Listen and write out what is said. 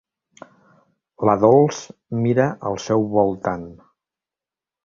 La Dols mira al seu voltant.